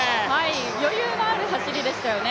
余裕のある走りでしたよね。